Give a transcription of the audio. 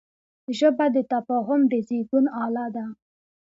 ژبه د تفاهم د زېږون اله ده